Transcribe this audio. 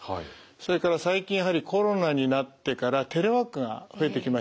それから最近やはりコロナになってからテレワークが増えてきましたね。